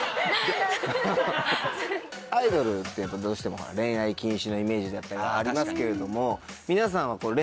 アイドルってどうしても恋愛禁止のイメージだったりがありますけれども皆さんは。